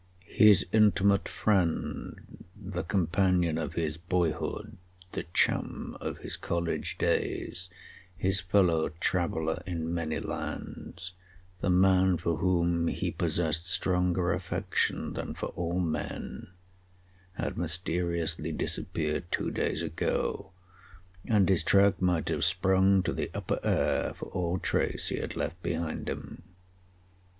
His intimate friend, the companion of his boyhood, the chum of his college days, his fellow traveller in many lands, the man for whom he possessed stronger affection than for all men, had mysteriously disappeared two days ago, and his track might have sprung to the upper air for all trace he had left behind him.